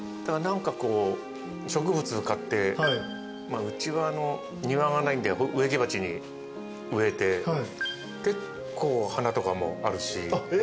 植物買ってうちは庭がないんで植木鉢に植えて結構花とかもあるし。